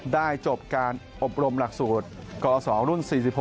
จบการอบรมหลักสูตรกศรุ่น๔๖